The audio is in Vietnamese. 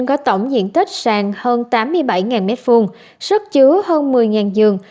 có tổng diện tích sàn hơn tám mươi bảy m hai sức chứa hơn một mươi giường